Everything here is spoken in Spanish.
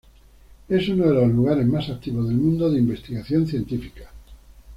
Es uno de los lugares más activos del mundo de investigación científica.